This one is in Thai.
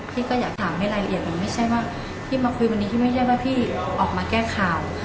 พี่ก็อยากถามให้รายละเอียดมันไม่ใช่ว่าพี่มาคุยวันนี้พี่ไม่ใช่ว่าพี่ออกมาแก้ข่าว